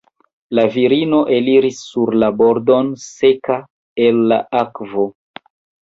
La virino eliris sur la bordon seka el la akvo.